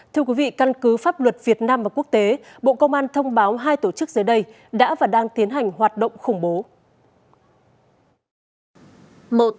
thưa quý vị căn cứ pháp luật việt nam và quốc tế bộ công an thông báo hai tổ chức dưới đây đã và đang tiến hành hoạt động khủng bố